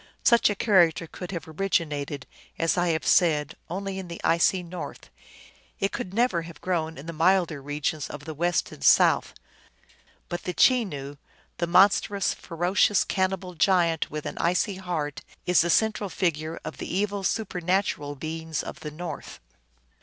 Such a character could have originated, as I have said, only in the icy north ; it could never have grown in the milder regions of the west and south. But the Chenoo, the monstrous, fero cious cannibal giant, with an icy heart, is the central figure of the evil supernatural beings of the north.